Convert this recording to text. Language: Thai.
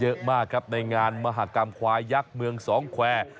เยอะมากครับในงานมหากรรมควายยักษ์เมืองสองแควร์